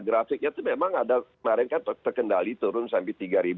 grafiknya itu memang ada kemarin kan terkendali turun sampai tiga